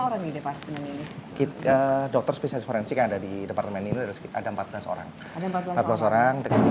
orang ini pasti ini kita dokter spesial forensik ada di departemen ini ada empat belas orang ada empat belas orang